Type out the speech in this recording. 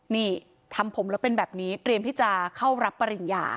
นี่ทำผมแล้วเป็นแบบนี้เตรียมที่จะเข้ารับปริญญา